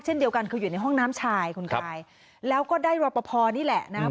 เช่นเดียวกันคืออยู่ในห้องน้ำชายคุณกายแล้วก็ได้รอปภนี่แหละนะครับ